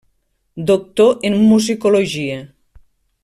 Doctor en musicologia.